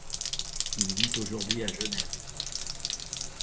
Il vit aujourd'hui à Genève.